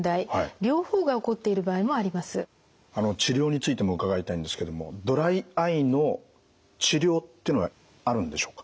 あの治療についても伺いたいんですけどもドライアイの治療っていうのはあるんでしょうか？